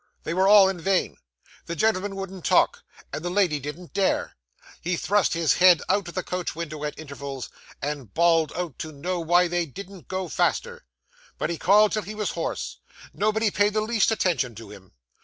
They were all in vain; the gentlemen wouldn't talk, and the lady didn't dare. He thrust his head out of the coach window at intervals, and bawled out to know why they didn't go faster. But he called till he was hoarse; nobody paid the least attention to him.